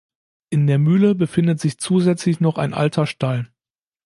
In der Mühle befindet sich zusätzlich noch ein alter Stall.